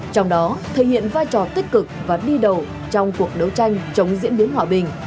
trong đó thể hiện vai trò tích cực và đi đầu trong cuộc đấu tranh chống diễn biến hòa bình